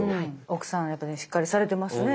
奥さんやっぱりしっかりされてますね。